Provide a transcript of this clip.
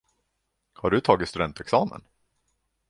Har du tagit studentexamen?